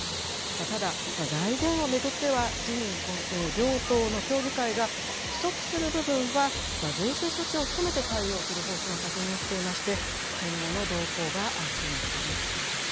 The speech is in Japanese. ただ、財源を巡っては、自民、公明両党の協議会が、不足する部分は税制措置を含めて対応する方針を確認していまして、今後の動向が注目されるところです。